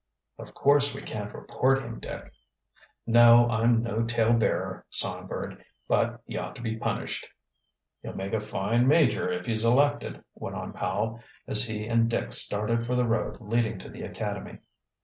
"Of course we can't report him, Dick." "No, I'm no tale bearer, Songbird. But he ought to be punished." "He'll make a fine major, if he's elected," went on Powell, as he and Dick started for the road leading to the academy.